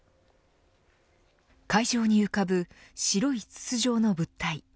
海上に浮かぶ白い筒状の物体。